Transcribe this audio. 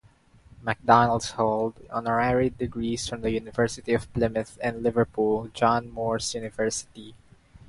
McDonald holds honorary degrees from the University of Plymouth and Liverpool John Moores University.